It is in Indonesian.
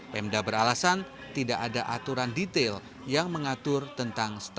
pemda beralasan tidak ada aturan detail yang mengatur tentang standar